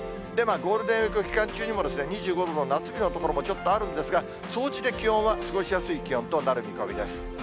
ゴールデンウィーク期間中にも、２５度の夏日の所もちょっとあるんですが、総じて気温は過ごしやすい気温となる見込みです。